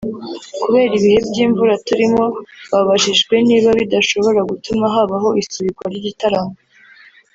Kubera ibihe by’ imvura turimo babajijwe niba bidashobora gutuma habaho isubikwa ry’ igitaramo